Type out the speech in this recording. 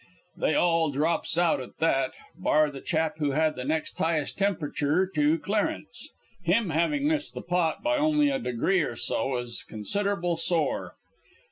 "They all drops out at that, bar the chap who had the next highest tempriture to Clarence. Him having missed the pot by only a degree or so is considerable sore.